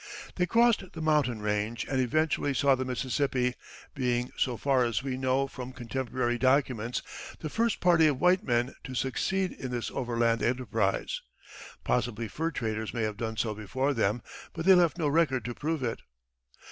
They crossed the mountain range and eventually saw the Mississippi, being, so far as we know from contemporary documents, the first party of white men to succeed in this overland enterprise. Possibly fur traders may have done so before them, but they left no record to prove it.